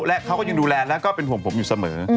และเขาก็ยังดูแลแล้วก็เป็นห่วงผมอยู่เสมอ